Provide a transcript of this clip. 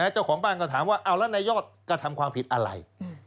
เจ้าของบ้านก็ถามว่าเอาแล้วนายยอดกระทำความผิดอะไร